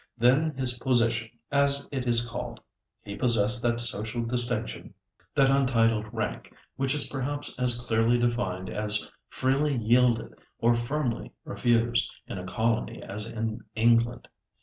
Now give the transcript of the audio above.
Then his "position," as it is called. He possessed that social distinction, that untitled rank, which is perhaps as clearly defined, as freely yielded, or firmly refused, in a colony as in England.